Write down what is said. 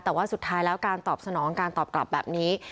แต่ว่าสุดท้ายแล้วการตอบสนองการตอบกลับแบบนี้